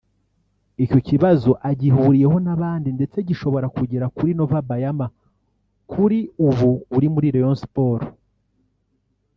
Icyo kibazo agihuriyeho n’abandi ndetse gishobora kugera kuri Nova Bayama kuri ubu uri muri Rayon Sports